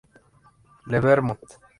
Le Vermont